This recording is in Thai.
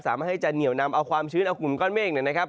สามารถให้จะเหนียวนำเอาความชื้นเอากลุ่มก้อนเมฆนะครับ